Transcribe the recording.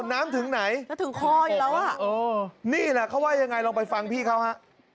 น้ำถึงไหนจะถึงคออยู่แล้วอ่ะนี่แหละเขาว่ายังไงลองไปฟังพี่เขาฮะ